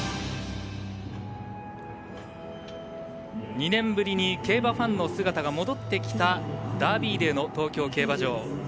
２年ぶりに競馬ファンの姿が戻ってきたダービーデーの東京競馬場。